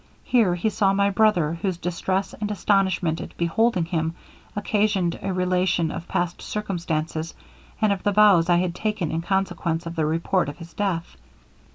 Here he saw my brother, whose distress and astonishment at beholding him occasioned a relation of past circumstances, and of the vows I had taken in consequence of the report of his death.